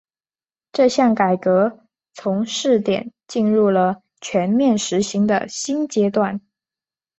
这项改革从试点进入了全面实行的新阶段。